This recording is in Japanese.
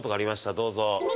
どうぞ。